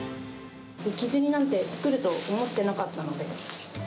雪吊りなんて作ると思ってなかったので。